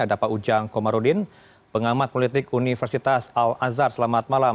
ada pak ujang komarudin pengamat politik universitas al azhar selamat malam